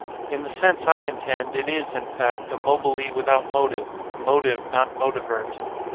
In the sense I intend, it is, in fact, a mobile without motive, a motive not motivirt.